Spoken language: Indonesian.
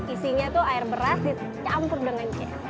isinya itu air beras dicampur dengan cek